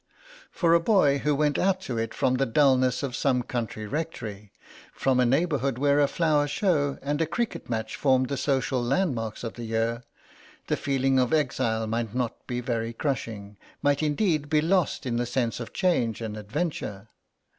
For a boy who went out to it from the dulness of some country rectory, from a neighbourhood where a flower show and a cricket match formed the social landmarks of the year, the feeling of exile might not be very crushing, might indeed be lost in the sense of change and adventure.